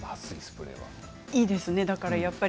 いいですね。